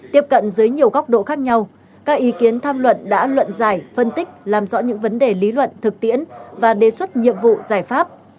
tiếp cận dưới nhiều góc độ khác nhau các ý kiến tham luận đã luận giải phân tích làm rõ những vấn đề lý luận thực tiễn và đề xuất nhiệm vụ giải pháp